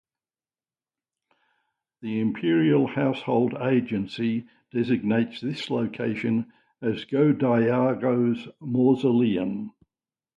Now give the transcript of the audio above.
The Imperial Household Agency designates this location as Go-Daigo's mausoleum.